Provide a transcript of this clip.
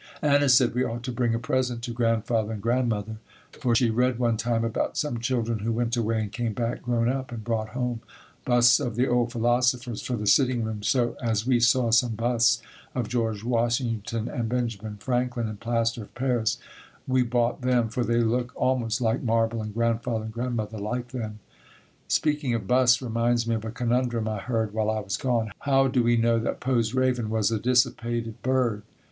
Anna said we ought to bring a present to Grandfather and Grandmother, for she read one time about some children who went away and came back grown up and brought home "busts of the old philosophers for the sitting room," so as we saw some busts of George Washington and Benjamin Franklin in plaster of paris we bought them, for they look almost like marble and Grandfather and Grandmother like them. Speaking of busts reminds me of a conundrum I heard while I was gone. "How do we know that Poe's Raven was a dissipated bird?